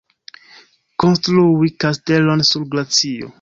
Konstrui kastelon sur glacio.